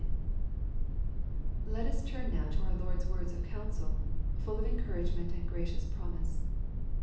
Now let us turn to our Lord's words of counsel, full of encouragement and gracious promise.